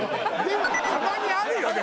でもたまにあるよね